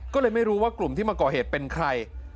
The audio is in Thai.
ก็เลยไม่รู้ว่ากลุ่มที่มาก่อเหตุเป็นใคร